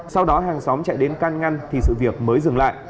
sau đó hàng xóm chạy đến can ngăn thì sự việc mới dừng lại